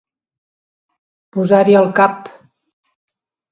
Posar-hi el cap.